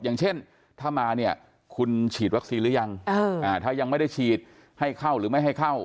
อย่างเช่นถ้ามาเนี่ยคุณฉีดวัคซีนหรือยังถ้ายังไม่ได้ฉีดให้เข้าหรือไม่ให้เข้า